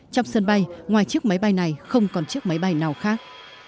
trong sân bay ngoài chiếc máy bay này không còn chiếc máy bay nào khác